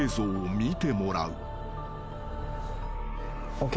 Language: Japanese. ＯＫ。